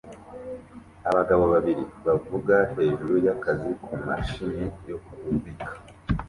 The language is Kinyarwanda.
Abagabo babiri bavuga hejuru y'akazi ku mashini yo kubiba